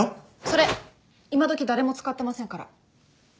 それ今どき誰も使ってませんから。